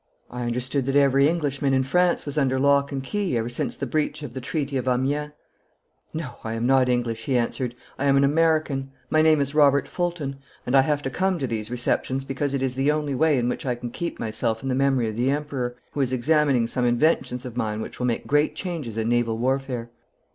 I understood that every Englishman in France was under lock and key ever since the breach of the treaty of Amiens.' 'No, I am not English,' he answered, 'I am an American. My name is Robert Fulton, and I have to come to these receptions because it is the only way in which I can keep myself in the memory of the Emperor, who is examining some inventions of mine which will make great changes in naval warfare.'